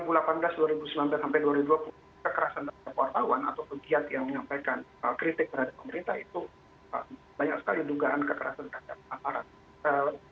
kekerasan terhadap wartawan atau pegiat yang menyampaikan kritik terhadap pemerintah itu banyak sekali dugaan kekerasan terhadap aparat